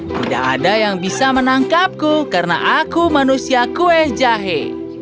tidak ada yang bisa menangkapku karena aku manusia kue jahe